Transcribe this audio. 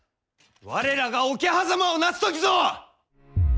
我らが桶狭間をなす時ぞ！